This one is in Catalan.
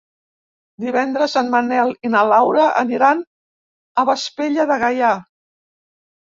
Divendres en Manel i na Laura aniran a Vespella de Gaià.